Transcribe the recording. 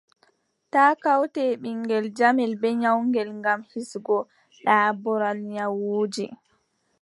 Taa kawte ɓiŋngel jamel bee nyawngel, ngam hisgo daaɓoral nyawuuji.